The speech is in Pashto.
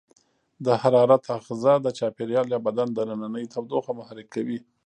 د حرارت آخذه د چاپیریال یا بدن دننۍ تودوخه محرک کوي.